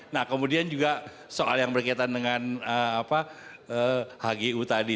nah kemudian juga soal yang berkaitan dengan hgu tadi